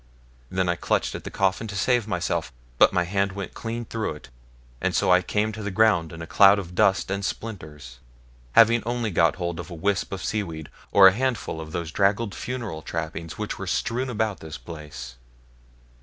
Then I clutched at the coffin to save myself, but my hand went clean through it, and so I came to the ground in a cloud of dust and splinters; having only got hold of a wisp of seaweed, or a handful of those draggled funeral trappings which were strewn about this place.